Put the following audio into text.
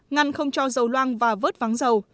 ngăn không cho dầu loang và vớt vắng dầu